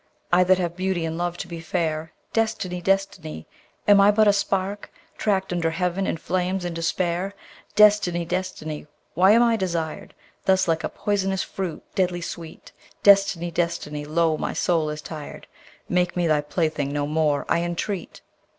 I that have beauty and love to be fair. Destiny! Destiny! am I but a spark Track'd under heaven in flames and despair? Destiny! Destiny! why am I desired Thus like a poisonous fruit, deadly sweet? Destiny! Destiny! lo, my soul is tired, Make me thy plaything no more, I entreat!